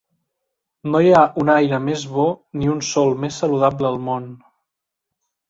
No hi ha un aire més bo ni un sòl més saludable al món.